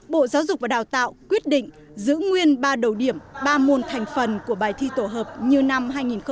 bộ giáo dục và đào tạo quyết định giữ nguyên ba đầu điểm ba môn thành phần của bài thi tổ hợp như năm hai nghìn một mươi tám